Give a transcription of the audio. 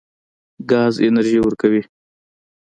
ګاز انرژي ورکوي.